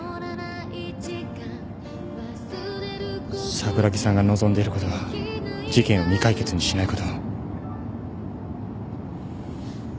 桜木さんが望んでいることは事件を未解決にしないこと。